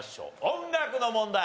音楽の問題。